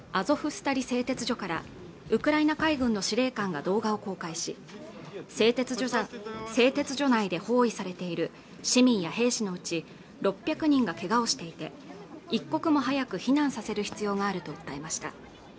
スタール製鉄所からウクライナ海軍の司令官が動画を公開し製鉄所内で包囲されている市民や兵士のうち６００人がけがをしていて一刻も早く避難させる必要があると伝えました